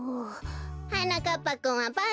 はなかっぱくんはばん